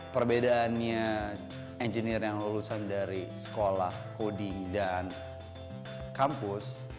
perbedaannya engineer yang lulusan dari sekolah hodi dan kampus